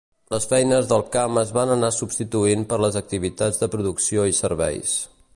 Les feines del camp es van anar substituint per les activitats de producció i serveis.